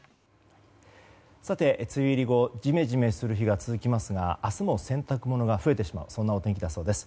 梅雨入り後ジメジメする日が続きますが明日も洗濯物が増えてしまうそんなお天気だそうです。